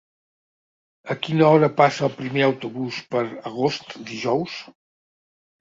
A quina hora passa el primer autobús per Agost dijous?